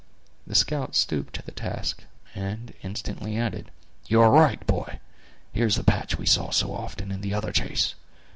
The scout stooped to the task, and instantly added: "You are right, boy; here is the patch we saw so often in the other chase.